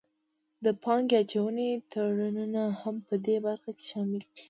د پانګې اچونې تړونونه هم پدې برخه کې شامل دي